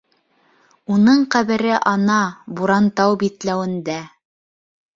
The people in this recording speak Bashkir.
Уның ҡәбере, ана, Бурантау битләүендә.